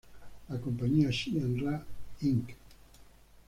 La compañía Shin-Ra, Inc.